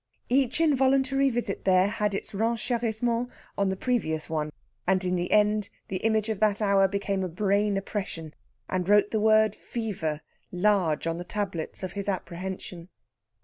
Each involuntary visit there had its renchérissement on the previous one, and in the end the image of that hour became a brain oppression, and wrote the word "fever" large on the tablets of his apprehension.